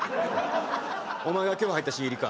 お前が今日入った新入りか。